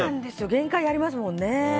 限界がありますもんね。